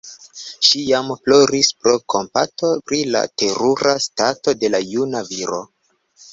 Ŝi jam ploris pro kompato pri la terura stato de la juna viro.